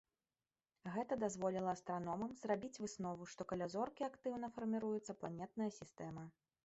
Гэта дазволіла астраномам зрабіць выснову, што каля зоркі актыўна фарміруецца планетная сістэма.